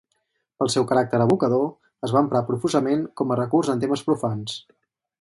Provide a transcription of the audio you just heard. Pel seu caràcter evocador, es va emprar profusament com a recurs en temes profans.